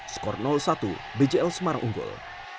skor satu bjl semarang unggul